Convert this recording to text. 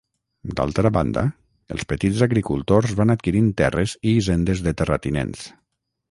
D'altra banda, els petits agricultors van adquirint terres i hisendes de terratinents.